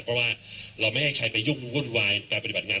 เพราะว่าเราไม่ให้ใครไปยุ่งวุ่นวายการปฏิบัติงาน